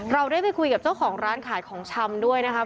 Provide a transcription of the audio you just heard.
เราได้ไปคุยกับเจ้าของร้านขายของชำด้วยนะครับ